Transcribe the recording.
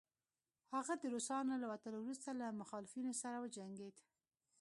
هغه د روسانو له وتلو وروسته له مخالفينو سره وجنګيد